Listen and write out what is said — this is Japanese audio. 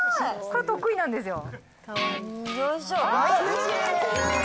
これ、得意なんですよ。